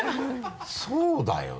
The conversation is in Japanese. そうだよね。